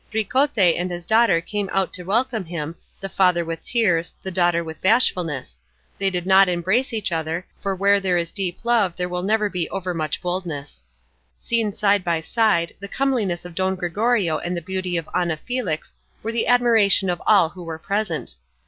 Ricote and his daughter came out to welcome him, the father with tears, the daughter with bashfulness. They did not embrace each other, for where there is deep love there will never be overmuch boldness. Seen side by side, the comeliness of Don Gregorio and the beauty of Ana Felix were the admiration of all who were present.